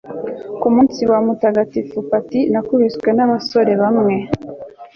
ku munsi wa mutagatifu patty nakubiswe n'abasore bamwe